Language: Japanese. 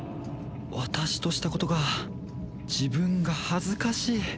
私としたことが自分が恥ずかしい！